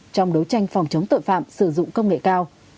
trong đấu tranh phòng chống tội phạm sử dụng công nghệ cao